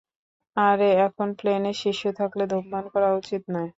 আরে এখন, প্লেনে শিশু থাকলে ধূমপান করা উচিত নয়।